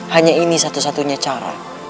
hanya ini satu satunya cara